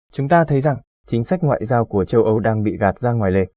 chúng ta thấy rằng chính sách ngoại giao của châu âu đang bị gạt ra ngoài lề